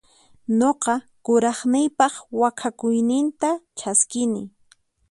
Nuqa kuraqniypaq waqhakuyninta chaskini.